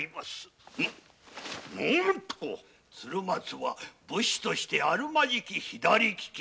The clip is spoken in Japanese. なな何と？鶴松は武士としてあるまじき左利き。